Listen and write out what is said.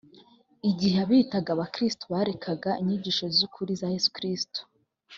igihe abiyita abakristo barekaga inyigisho z’ ukuri za yesu kristo.